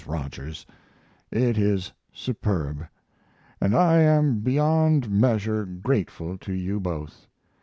ROGERS, It is superb! And I am beyond measure grateful to you both.